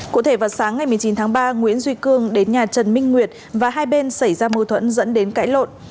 cụ thể vào sáng ngày một mươi chín tháng ba nguyễn duy cương đến nhà trần minh nguyệt và hai bên xảy ra mâu thuẫn dẫn đến cãi lộn